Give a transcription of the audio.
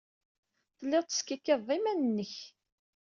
Tellid teskikkiḍed iman-nnek.